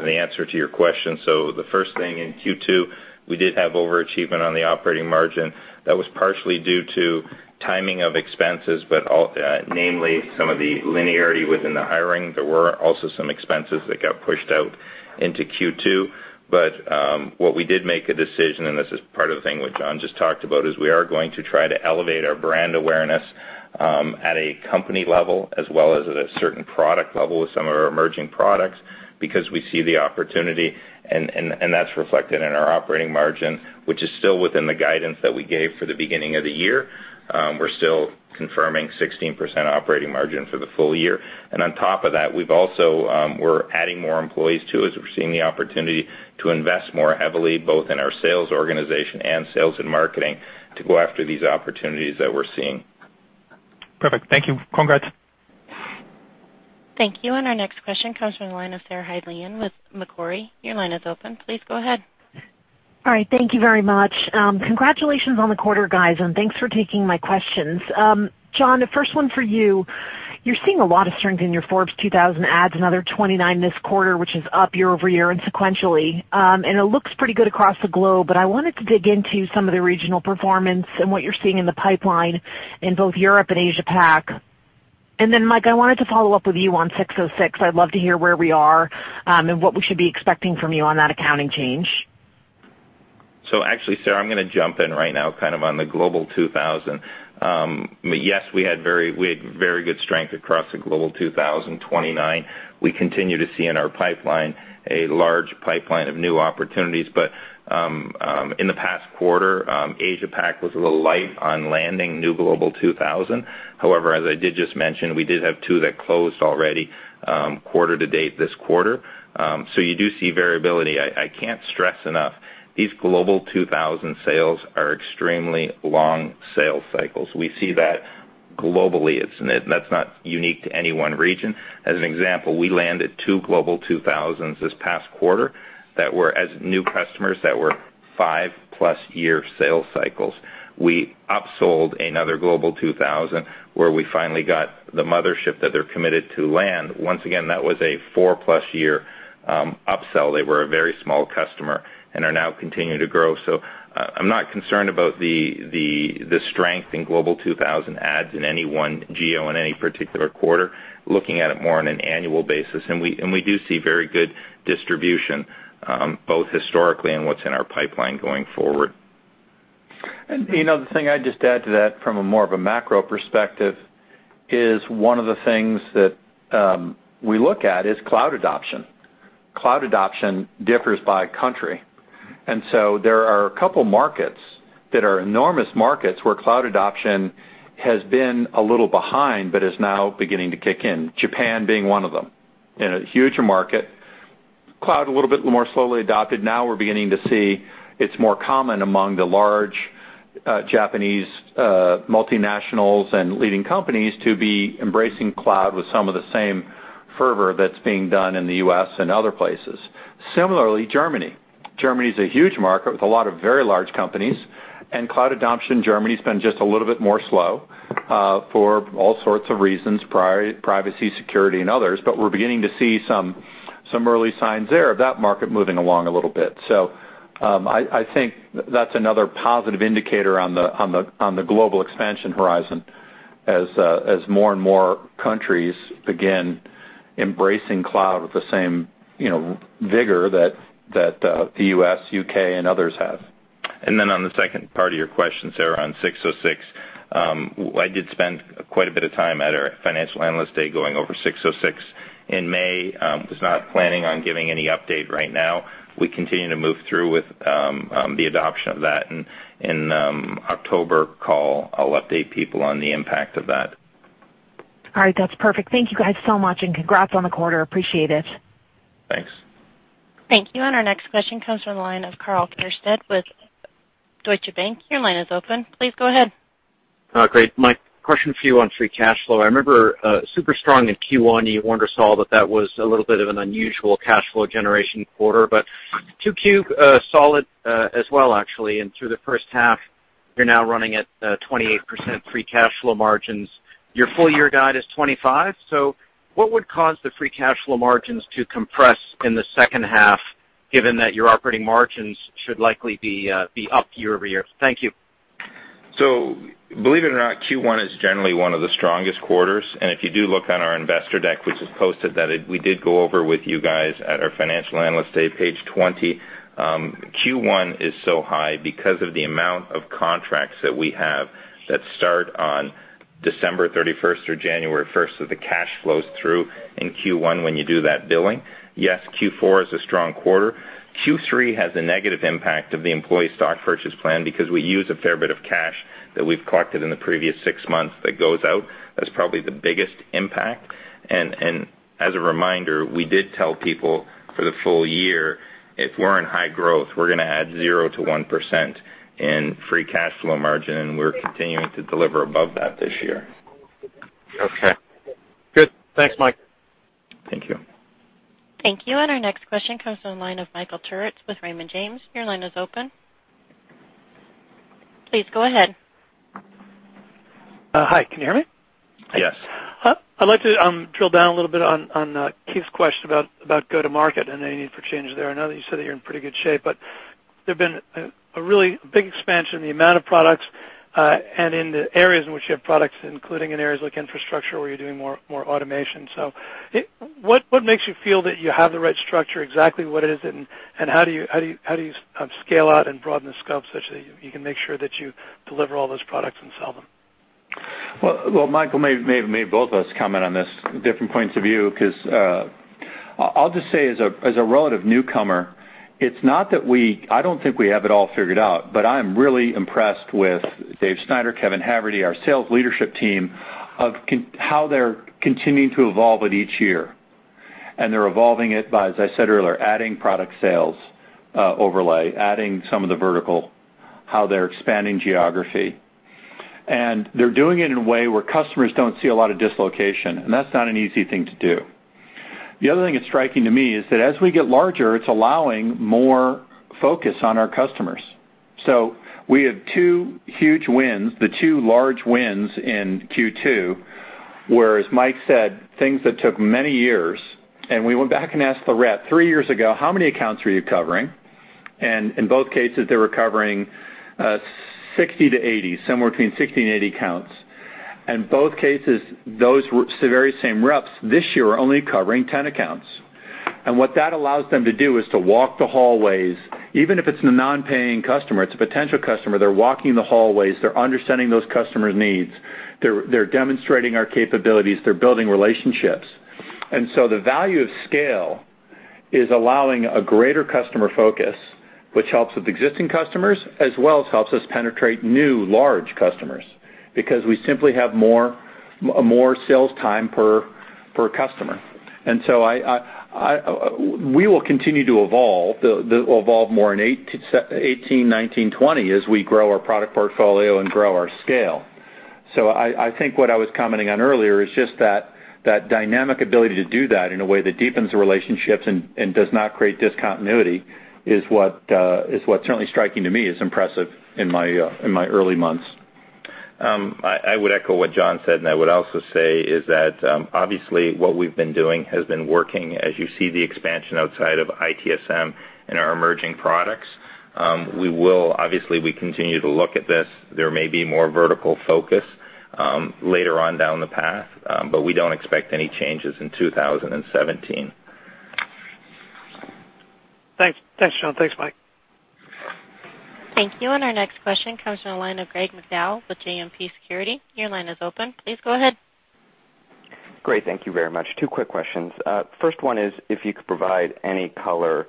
the answer to your question. The first thing in Q2, we did have overachievement on the operating margin. That was partially due to timing of expenses, but namely some of the linearity within the hiring. There were also some expenses that got pushed out into Q2. What we did make a decision, and this is part of the thing which John just talked about, is we are going to try to elevate our brand awareness at a company level as well as at a certain product level with some of our emerging products, because we see the opportunity, and that's reflected in our operating margin, which is still within the guidance that we gave for the beginning of the year. We're still confirming 16% operating margin for the full year. On top of that, we're adding more employees too, as we're seeing the opportunity to invest more heavily, both in our sales organization and sales and marketing, to go after these opportunities that we're seeing. Perfect. Thank you. Congrats. Thank you. Our next question comes from the line of Sarah Hindlian with Macquarie. Your line is open. Please go ahead. All right. Thank you very much. Congratulations on the quarter, guys, and thanks for taking my questions. John, the first one for you. You're seeing a lot of strength in your Forbes 2000 adds, another 29 this quarter, which is up year-over-year and sequentially. It looks pretty good across the globe, but I wanted to dig into some of the regional performance and what you're seeing in the pipeline in both Europe and Asia Pac. Mike, I wanted to follow up with you on 606. I'd love to hear where we are, and what we should be expecting from you on that accounting change. Actually, Sarah, I'm going to jump in right now, kind of on the Global 2000. Yes, we had very good strength across the Global 2000, 29. We continue to see in our pipeline a large pipeline of new opportunities, but in the past quarter, Asia Pac was a little light on landing new Global 2000. However, as I did just mention, we did have two that closed already quarter-to-date this quarter. You do see variability. I can't stress enough, these Global 2000 sales are extremely long sales cycles. We see that globally. That's not unique to any one region. As an example, we landed two Global 2000s this past quarter as new customers that were 5-plus year sales cycles. We upsold another Global 2000 where we finally got the mothership that they're committed to land. Once again, that was a 4-plus year upsell. They were a very small customer and are now continuing to grow. I'm not concerned about the strength in Global 2000 adds in any one geo in any particular quarter, looking at it more on an annual basis. We do see very good distribution, both historically and what's in our pipeline going forward. The thing I'd just add to that from a more of a macro perspective is one of the things that we look at is cloud adoption. Cloud adoption differs by country. There are a couple markets that are enormous markets where cloud adoption has been a little behind, but is now beginning to kick in, Japan being one of them. In a huge market, cloud a little bit more slowly adopted. Now we're beginning to see it's more common among the large Japanese multinationals and leading companies to be embracing cloud with some of the same fervor that's being done in the U.S. and other places. Similarly, Germany. Germany's a huge market with a lot of very large companies, and cloud adoption in Germany's been just a little bit more slow, for all sorts of reasons, privacy, security, and others. We're beginning to see some early signs there of that market moving along a little bit. I think that's another positive indicator on the global expansion horizon as more and more countries begin embracing cloud with the same vigor that the U.S., U.K., and others have. On the second part of your question, Sarah, on 606. I did spend quite a bit of time at our Financial Analyst Day going over 606 in May, was not planning on giving any update right now. We continue to move through with the adoption of that. In October call, I'll update people on the impact of that. All right. That's perfect. Thank you guys so much, and congrats on the quarter. Appreciate it. Thanks. Thank you. Our next question comes from the line of Karl Keirstead with Deutsche Bank. Your line is open. Please go ahead. Great. Mike, question for you on free cash flow. I remember super strong in Q1, you wonder, saw that that was a little bit of an unusual cash flow generation quarter, but 2Q, solid as well, actually. Through the first half, you are now running at 28% free cash flow margins. Your full-year guide is 25%. What would cause the free cash flow margins to compress in the second half given that your operating margins should likely be up year-over-year? Thank you. Believe it or not, Q1 is generally one of the strongest quarters. If you do look on our investor deck, which is posted that we did go over with you guys at our Financial Analyst Day, page 20. Q1 is so high because of the amount of contracts that we have that start on December 31st or January 1st. The cash flows through in Q1 when you do that billing. Yes, Q4 is a strong quarter. Q3 has a negative impact of the employee stock purchase plan because we use a fair bit of cash that we have collected in the previous six months. That goes out. That is probably the biggest impact. As a reminder, we did tell people for the full-year, if we are in high growth, we are going to add 0%-1% in free cash flow margin, and we are continuing to deliver above that this year. Okay, good. Thanks, Mike. Thank you. Thank you. Our next question comes from the line of Michael Turits with Raymond James. Your line is open. Please go ahead. Hi, can you hear me? Yes. I'd like to drill down a little bit on Keith's question about go-to-market and any need for change there. I know that you said that you're in pretty good shape, but there's been a really big expansion in the amount of products and in the areas in which you have products, including in areas like infrastructure, where you're doing more automation. What makes you feel that you have the right structure, exactly what it is, and how do you scale out and broaden the scope such that you can make sure that you deliver all those products and sell them? Well, Michael, maybe both of us comment on this, different points of view, because I'll just say, as a relative newcomer, I don't think we have it all figured out, but I'm really impressed with David Schneider, Kevin Haverty, our sales leadership team, of how they're continuing to evolve it each year. They're evolving it by, as I said earlier, adding product sales overlay, adding some of the vertical, how they're expanding geography. They're doing it in a way where customers don't see a lot of dislocation, and that's not an easy thing to do. The other thing that's striking to me is that as we get larger, it's allowing more focus on our customers. We have two huge wins, the two large wins in Q2, where, as Mike said, things that took many years. We went back and asked the rep three years ago, "How many accounts were you covering?" In both cases, they were covering 60 to 80, somewhere between 60 and 80 accounts. Both cases, those very same reps this year are only covering 10 accounts. What that allows them to do is to walk the hallways. Even if it's a non-paying customer, it's a potential customer, they're walking the hallways. They're understanding those customers' needs. They're demonstrating our capabilities. They're building relationships. The value of scale is allowing a greater customer focus, which helps with existing customers as well as helps us penetrate new large customers, because we simply have more sales time per customer. We will continue to evolve. They'll evolve more in 2018, 2019, 2020, as we grow our product portfolio and grow our scale. I think what I was commenting on earlier is just that that dynamic ability to do that in a way that deepens the relationships and does not create discontinuity is what's certainly striking to me as impressive in my early months. I would echo what John said. I would also say is that obviously what we've been doing has been working. As you see the expansion outside of ITSM and our emerging products. Obviously, we continue to look at this. There may be more vertical focus later on down the path, but we don't expect any changes in 2017. Thanks, John. Thanks, Mike. Thank you. Our next question comes from the line of Greg McDowell with JMP Securities. Your line is open. Please go ahead. Great. Thank you very much. Two quick questions. First one is if you could provide any color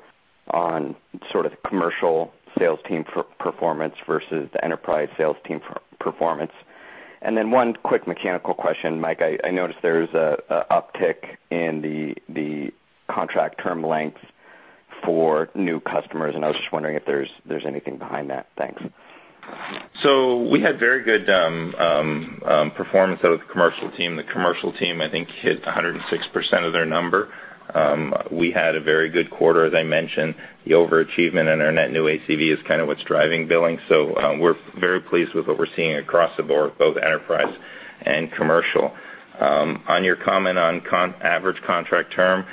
on sort of the commercial sales team performance versus the enterprise sales team performance. Then one quick mechanical question, Mike, I noticed there's an uptick in the contract term lengths for new customers, and I was just wondering if there's anything behind that. Thanks. We had very good performance out of the commercial team. The commercial team, I think, hit 106% of their number. We had a very good quarter, as I mentioned. The overachievement in our net new ACV is kind of what's driving billing. We're very pleased with what we're seeing across the board, both enterprise and commercial. On your comment on average contract term,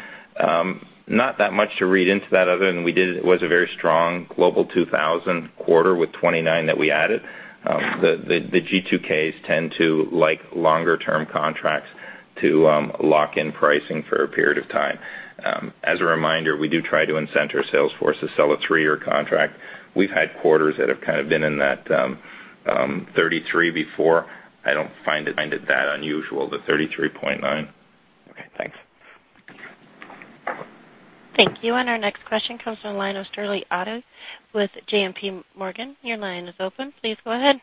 not that much to read into that other than it was a very strong Global 2000 quarter with 29 that we added. The G2Ks tend to like longer-term contracts to lock in pricing for a period of time. As a reminder, we do try to incent our sales force to sell a three-year contract. We've had quarters that have kind of been in that 33 before. I don't find it that unusual, the 33.9. Thank you. Our next question comes from the line of Sterling Auty with JPMorgan. Your line is open. Please go ahead.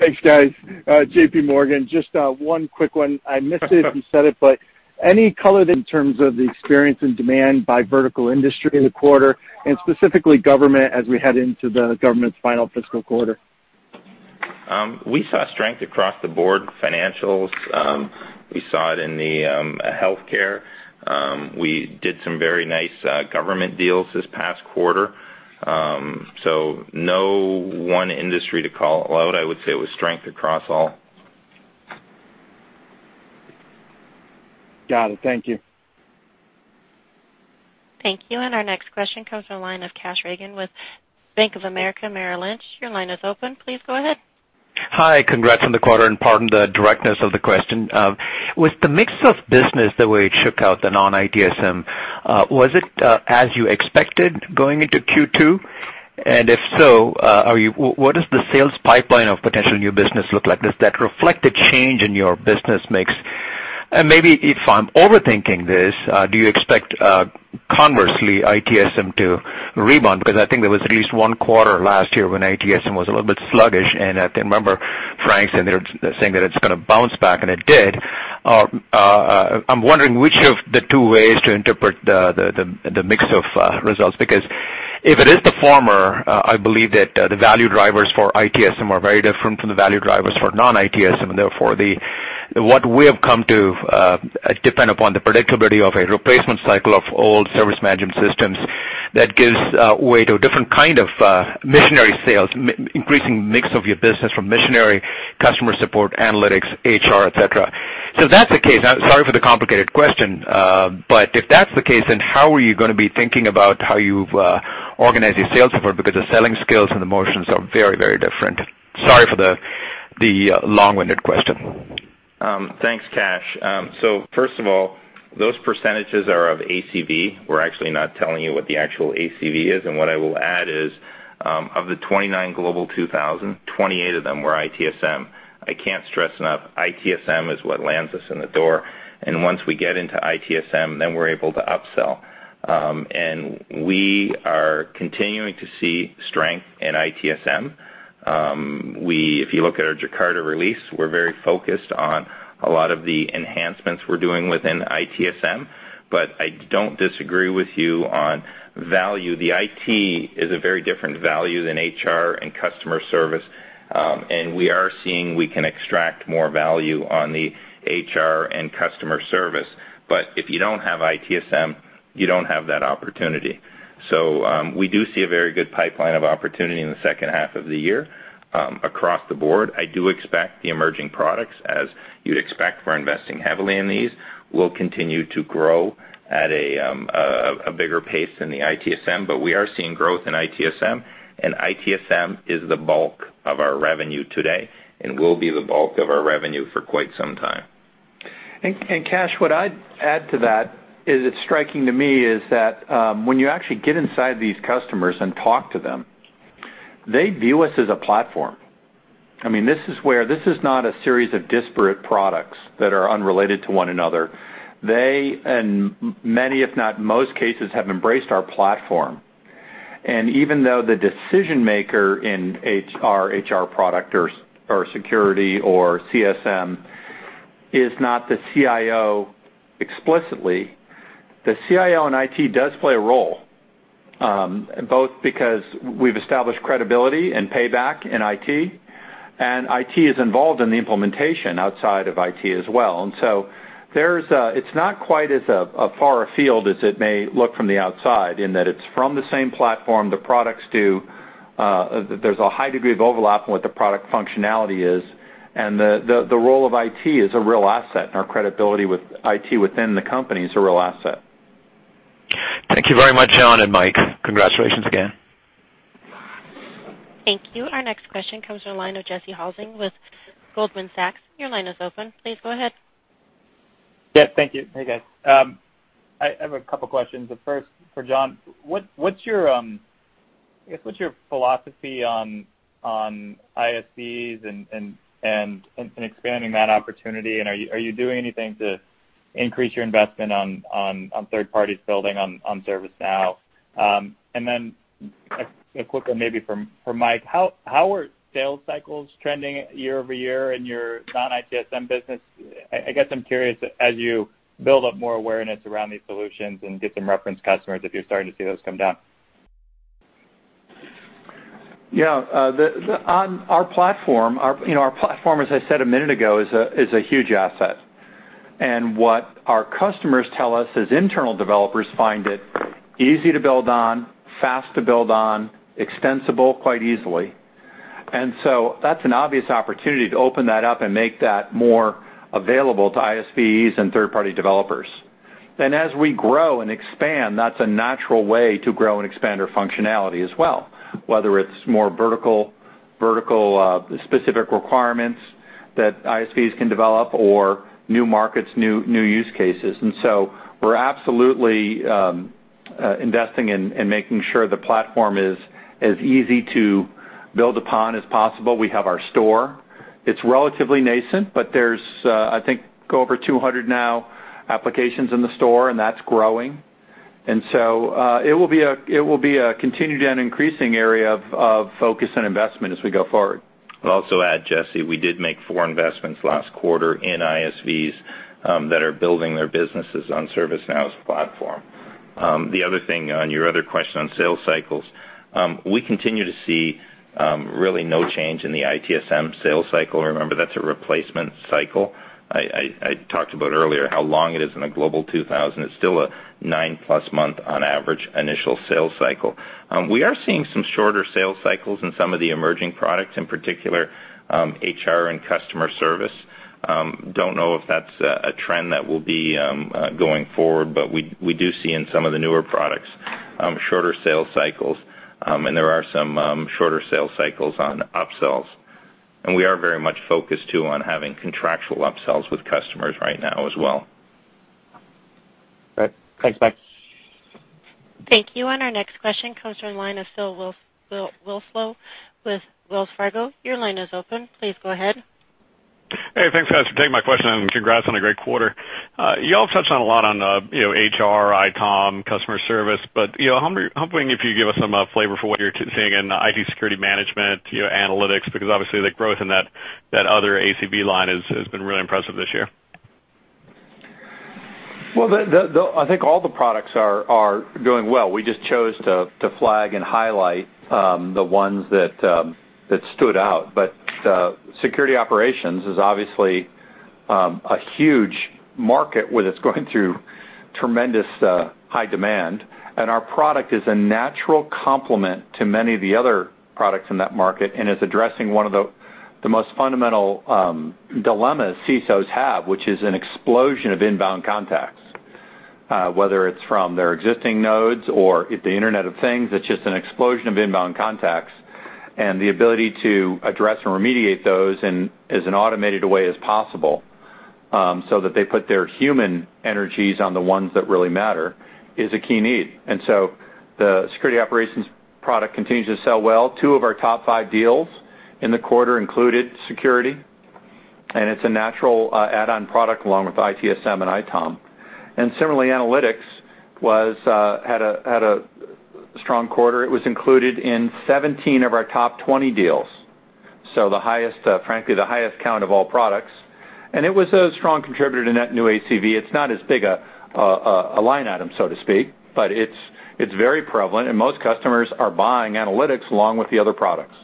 Thanks, guys. JPMorgan. Just one quick one. I missed it if you said it, but any color in terms of the experience and demand by vertical industry in the quarter, and specifically government as we head into the government's final fiscal quarter? We saw strength across the board financials. We saw it in the healthcare. We did some very nice government deals this past quarter. No one industry to call out. I would say it was strength across all. Got it. Thank you. Thank you. Our next question comes from the line of Kash Rangan with Bank of America Merrill Lynch. Your line is open. Please go ahead. Hi. Congrats on the quarter, pardon the directness of the question. With the mix of business, the way it shook out, the non-ITSM, was it as you expected going into Q2? If so, what does the sales pipeline of potential new business look like? Does that reflect a change in your business mix? Maybe if I'm overthinking this, do you expect, conversely, ITSM to rebound? I think there was at least one quarter last year when ITSM was a little bit sluggish, I can remember Frank saying that it's going to bounce back, and it did. I'm wondering which of the two ways to interpret the mix of results, if it is the former, I believe that the value drivers for ITSM are very different from the value drivers for non-ITSM, therefore, what we have come to depend upon the predictability of a replacement cycle of old service management systems that gives way to a different kind of missionary sales, increasing mix of your business from missionary customer support, analytics, HR, et cetera. Sorry for the complicated question. If that's the case, how are you going to be thinking about how you organize your sales support? The selling skills and the motions are very different. Sorry for the long-winded question. Thanks, Kash. First of all, those percentages are of ACV. We're actually not telling you what the actual ACV is. What I will add is, of the 29 Global 2000, 28 of them were ITSM. I can't stress enough, ITSM is what lands us in the door, once we get into ITSM, we're able to upsell. We are continuing to see strength in ITSM. If you look at our Jakarta release, we're very focused on a lot of the enhancements we're doing within ITSM. I don't disagree with you on value. The IT is a very different value than HR and customer service. We are seeing we can extract more value on the HR and customer service. If you don't have ITSM, you don't have that opportunity. We do see a very good pipeline of opportunity in the second half of the year across the board. I do expect the emerging products, as you'd expect, we're investing heavily in these, will continue to grow at a bigger pace than the ITSM. We are seeing growth in ITSM, and ITSM is the bulk of our revenue today and will be the bulk of our revenue for quite some time. Kash, what I'd add to that is, it's striking to me is that when you actually get inside these customers and talk to them, they view us as a platform. This is not a series of disparate products that are unrelated to one another. They, in many, if not most cases, have embraced our platform. Even though the decision-maker in our HR product or security or CSM is not the CIO explicitly, the CIO in IT does play a role, both because we've established credibility and payback in IT, and IT is involved in the implementation outside of IT as well. It's not quite as far afield as it may look from the outside in that it's from the same platform, there's a high degree of overlap in what the product functionality is, and the role of IT is a real asset, and our credibility with IT within the company is a real asset. Thank you very much, John and Mike. Congratulations again. Thank you. Our next question comes from the line of Jesse Hulsing with Goldman Sachs. Your line is open. Please go ahead. Yeah, thank you. Hey, guys. I have a couple questions. The first for John. What's your philosophy on ISVs and expanding that opportunity, are you doing anything to increase your investment on third parties building on ServiceNow? Then a quick one maybe for Mike. How are sales cycles trending year-over-year in your non-ITSM business? I guess I'm curious as you build up more awareness around these solutions and get some reference customers, if you're starting to see those come down. Yeah. Our platform, as I said a minute ago, is a huge asset. What our customers tell us is internal developers find it easy to build on, fast to build on, extensible quite easily. That's an obvious opportunity to open that up and make that more available to ISVs and third-party developers. As we grow and expand, that's a natural way to grow and expand our functionality as well, whether it's more vertical, specific requirements that ISVs can develop or new markets, new use cases. We're absolutely investing in making sure the platform is as easy to build upon as possible. We have our store. It's relatively nascent, but there's, I think, over 200 applications in the store now, that's growing. It will be a continued and increasing area of focus and investment as we go forward. I'll also add, Jesse, we did make four investments last quarter in ISVs that are building their businesses on ServiceNow's platform. The other thing on your other question on sales cycles, we continue to see really no change in the ITSM sales cycle. Remember, that's a replacement cycle. I talked about earlier how long it is in a Global 2000. It's still a nine-plus month on average initial sales cycle. We are seeing some shorter sales cycles in some of the emerging products, in particular, HR and customer service. Don't know if that's a trend that will be going forward, but we do see in some of the newer products shorter sales cycles, there are some shorter sales cycles on upsells. We are very much focused too on having contractual upsells with customers right now as well. Great. Thanks, Mike. Thank you. Our next question comes from the line of Phil Winslow with Wells Fargo. Your line is open. Please go ahead. Hey, thanks, guys, for taking my question, and congrats on a great quarter. You all have touched a lot on HR, ITOM, customer service, but I'm hoping if you give us some flavor for what you're seeing in IT security management, analytics, because obviously the growth in that other ACV line has been really impressive this year. Well, I think all the products are doing well. We just chose to flag and highlight the ones that stood out. Security Operations is obviously a huge market where it's going through tremendous high demand, and our product is a natural complement to many of the other products in that market and is addressing one of the most fundamental dilemmas CISOs have, which is an explosion of inbound contacts. Whether it's from their existing nodes or the Internet of Things, it's just an explosion of inbound contacts. The ability to address and remediate those in as automated a way as possible, so that they put their human energies on the ones that really matter, is a key need. The Security Operations product continues to sell well. Two of our top five deals in the quarter included security, and it's a natural add-on product along with ITSM and ITOM. Similarly, analytics had a strong quarter. It was included in 17 of our top 20 deals, frankly, the highest count of all products. It was a strong contributor to net new ACV. It's not as big a line item, so to speak, but it's very prevalent, and most customers are buying analytics along with the other products.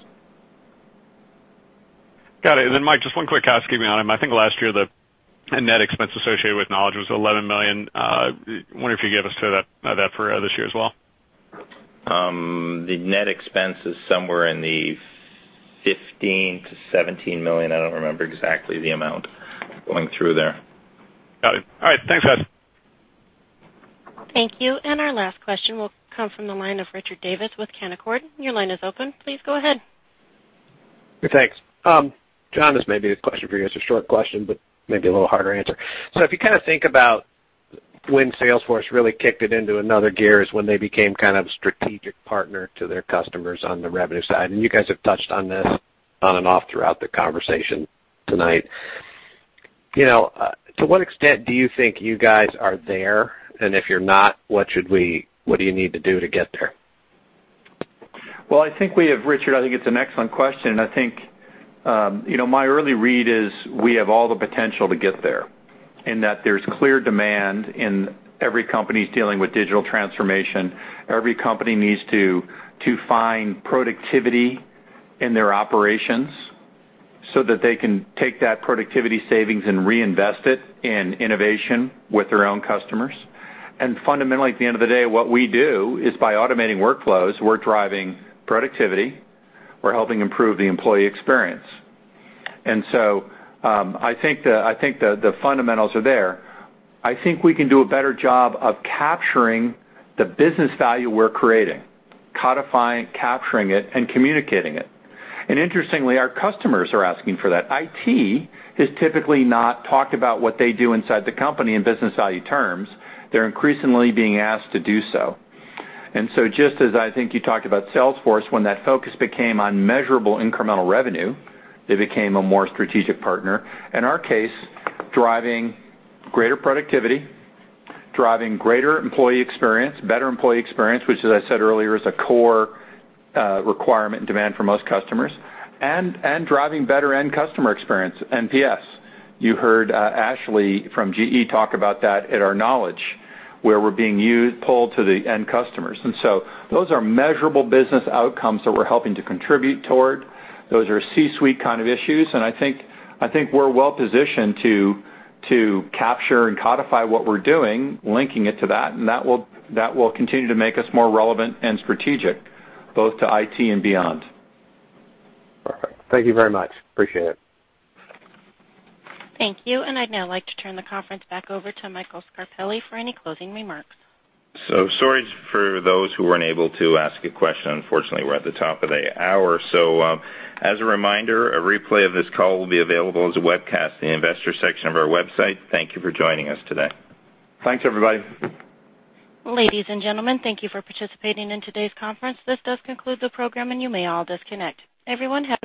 Got it. Then Mike, just one quick housekeeping item. I think last year, the net expense associated with Knowledge was $11 million. I wonder if you could give us that for this year as well. The net expense is somewhere in the $15 million-$17 million. I don't remember exactly the amount going through there. Got it. All right, thanks, guys. Thank you. Our last question will come from the line of Richard Davis with Canaccord. Your line is open. Please go ahead. Thanks. John, this may be the question for you. It's a short question, but maybe a little harder answer. If you think about when Salesforce really kicked it into another gear is when they became a strategic partner to their customers on the revenue side, you guys have touched on this on and off throughout the conversation tonight. To what extent do you think you guys are there? If you're not, what do you need to do to get there? Well, Richard, I think it's an excellent question. I think my early read is we have all the potential to get there, in that there's clear demand in every company dealing with digital transformation. Every company needs to find productivity in their operations so that they can take that productivity savings and reinvest it in innovation with their own customers. Fundamentally, at the end of the day, what we do is by automating workflows, we're driving productivity. We're helping improve the employee experience. I think the fundamentals are there. I think we can do a better job of capturing the business value we're creating, codifying, capturing it, and communicating it. Interestingly, our customers are asking for that. IT has typically not talked about what they do inside the company in business value terms. They're increasingly being asked to do so. Just as I think you talked about Salesforce, when that focus became on measurable incremental revenue, they became a more strategic partner. In our case, driving greater productivity, driving greater employee experience, better employee experience, which, as I said earlier, is a core requirement and demand for most customers, driving better end customer experience, NPS. You heard Ashley from GE talk about that at our Knowledge, where we're being pulled to the end customers. Those are measurable business outcomes that we're helping to contribute toward. Those are C-suite kind of issues, I think we're well-positioned to capture and codify what we're doing, linking it to that will continue to make us more relevant and strategic, both to IT and beyond. Perfect. Thank you very much. Appreciate it. Thank you. I'd now like to turn the conference back over to Michael Scarpelli for any closing remarks. Sorry for those who weren't able to ask a question. Unfortunately, we're at the top of the hour. As a reminder, a replay of this call will be available as a webcast in the Investor section of our website. Thank you for joining us today. Thanks, everybody. Ladies and gentlemen, thank you for participating in today's conference. This does conclude the program, and you may all disconnect.